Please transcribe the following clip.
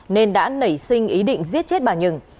nên đã nảy sinh ý định giết chết bà nhường